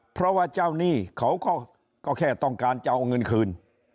เพราะว่าเจ้าหนี้เขาก็แค่ต้องการจะเอาเงินคืน